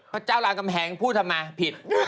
พระเจ้ารามกำแหงพูดทำไมผิด